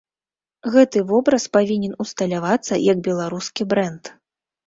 Гэты вобраз павінен усталявацца як беларускі брэнд.